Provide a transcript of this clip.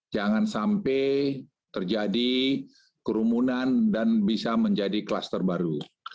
jangan sampai terjadi kerumunan dan bisa menjadi kluster baru